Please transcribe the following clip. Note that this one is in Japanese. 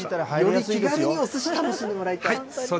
より気軽におすしを楽しんでもらいたい？